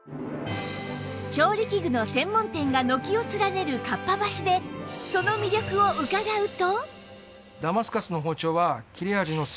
調理器具の専門店が軒を連ねるかっぱ橋でその魅力を伺うと？